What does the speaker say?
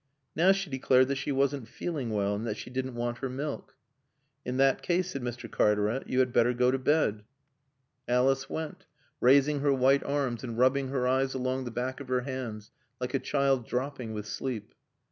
Now she declared that she wasn't feeling well, and that she didn't want her milk. "In that case," said Mr. Cartaret, "you had better go to bed." Alice went, raising her white arms and rubbing her eyes along the backs of her hands, like a child dropping with sleep.